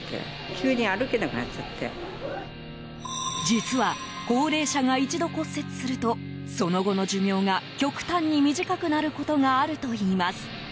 実は、高齢者が一度骨折するとその後の寿命が極端に短くなることがあるといいます。